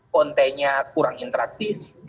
kontennya kurang interaktif